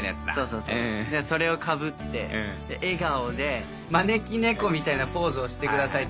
そうそうそれをかぶって笑顔で招き猫みたいなポーズをしてくださいって。